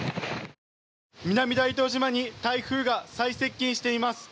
南大東島に台風が最接近しています。